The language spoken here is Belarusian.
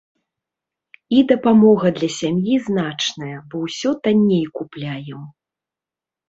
І дапамога для сям'і значная, бо ўсё танней купляем.